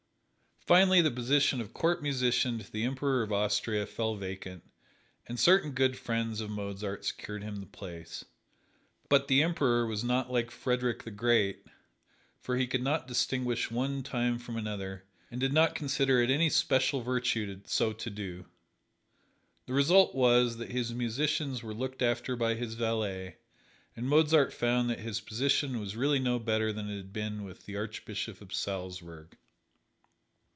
Finally the position of Court Musician to the Emperor of Austria fell vacant, and certain good friends of Mozart secured him the place. But the Emperor was not like Frederick the Great, for he could not distinguish one tune from another, and did not consider it any special virtue so to do. The result was that his musicians were looked after by his valet, and Mozart found that his position was really no better than it had been with the Archbishop of Salzburg.